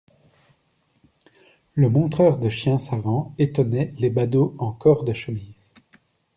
Le montreur de chiens savants étonnait les badauds en corps de chemise.